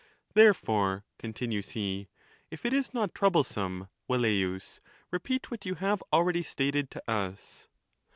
Therefore, continues he, if it is not troublesome, Vel leius, repeat what you have already stated to us.